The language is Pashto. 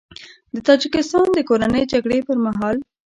د تاجیکستان د کورنۍ جګړې پر مهال